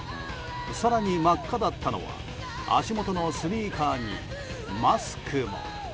更に真っ赤だったのは足元のスニーカーにマスク。